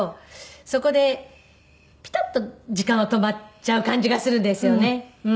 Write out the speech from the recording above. そこでピタッと時間は止まっちゃう感じがするんですよね。